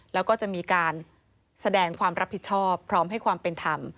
แล้วก็จะมีการแสดงความรับผิดชอบพร้อมให้ความเป็นธรรม